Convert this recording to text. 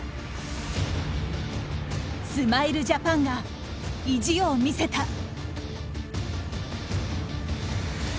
スマイルジャパンが意地を見せた。